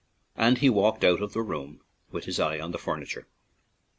And he walked out of the room with his eye on the future.